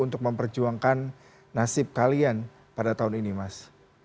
untuk memperjuangkan nasib kalian pada tahun ini mas